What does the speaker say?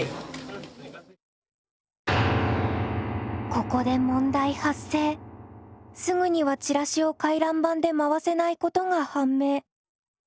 ここですぐにはチラシを回覧板で回せないことが判明。